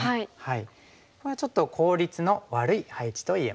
これはちょっと効率の悪い配置と言えます。